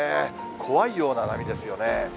怖いような波ですよね。